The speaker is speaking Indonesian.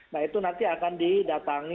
nah itu nanti akan didatangi